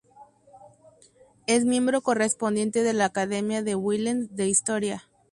Es miembro correspondiente de la Academia de Huilense de Historia.